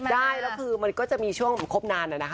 ได้แล้วคือมันก็จะมีช่วงครบนานนะคะ